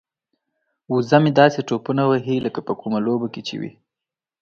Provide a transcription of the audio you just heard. وزه مې داسې ټوپونه وهي لکه په کومه لوبه کې چې وي.